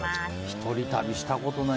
一人旅したことない。